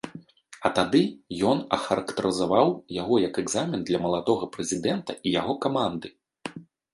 А тады ён ахарактарызаваў яго як экзамен для маладога прэзідэнта і яго каманды.